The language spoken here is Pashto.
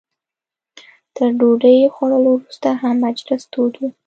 تر ډوډۍ خوړلو وروسته هم مجلس تود و.